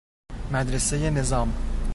مدرسۀ نظام